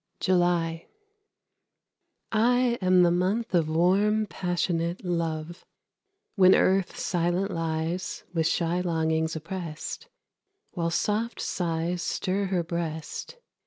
JULY. I am the month of warm, passionate love, When Earth silent lies, with shy longings opprest, While soft sighs stir her breast.